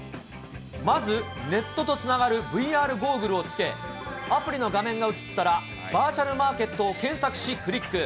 まず、ネットとつながるＶＲゴーグルをつけ、アプリの画面が映ったらバーチャルマーケットを検索しクリック。